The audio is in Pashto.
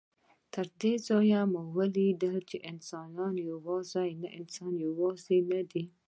تر دې ځایه مو ولیدل چې انسان یوازې نه دی.